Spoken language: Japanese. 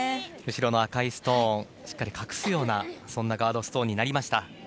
後ろの赤いストーンしっかり隠すようなガードストーンになりました。